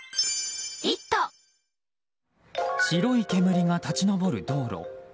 白い煙が立ち上る道路。